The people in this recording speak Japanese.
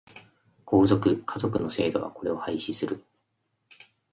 皇族、華族の制度はこれを廃止する。